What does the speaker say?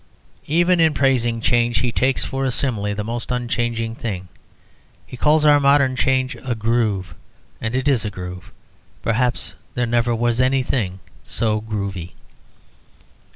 Even in praising change, he takes for a simile the most unchanging thing. He calls our modern change a groove. And it is a groove; perhaps there was never anything so groovy.